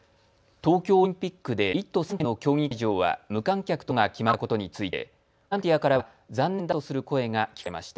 東京オリンピックで１都３県の競技会場は無観客とすることが決まったことについてボランティアからは残念だとする声が聞かれました。